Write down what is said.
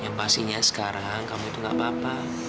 yang pastinya sekarang kamu itu gak apa apa